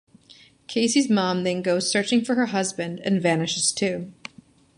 Casey's mom then goes searching for her husband and vanishes, too.